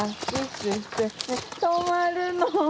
止まるの？